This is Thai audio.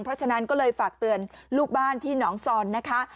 เพราะฉะนั้นก็เลยฝากเตือนลูกบ้านที่หนองซอนนะคะ